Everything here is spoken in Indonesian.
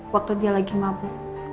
waktu dia lagi mabuk